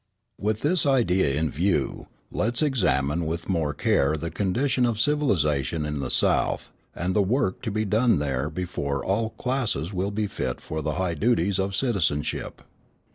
With this idea in view, let us examine with more care the condition of civilisation in the South, and the work to be done there before all classes will be fit for the high duties of citizenship.